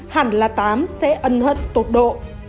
hẳn là tám sẽ ân hận tột độ